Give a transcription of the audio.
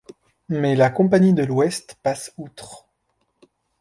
Mais la Compagnie de l'Ouest passe outre.